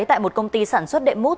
tại một công ty sản xuất đệm mút